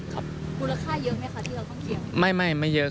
คุณค่าเยอะไหมคะที่เราต้องเคลียร์